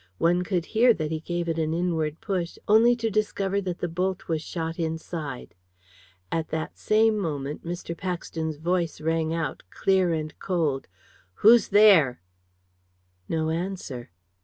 One could hear that he gave it an inward push, only to discover that the bolt was shot inside. And that same moment Mr. Paxton's voice rang out, clear and cold "Who's there?" No answer. Mr.